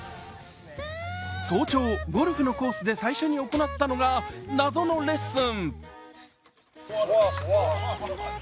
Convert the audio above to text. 早朝ゴルフのコースで最初に行ったのが謎のレッスン。